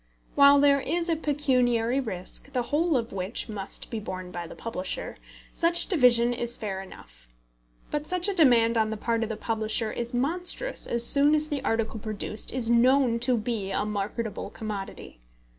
While there is a pecuniary risk, the whole of which must be borne by the publisher, such division is fair enough; but such a demand on the part of the publisher is monstrous as soon as the article produced is known to be a marketable commodity.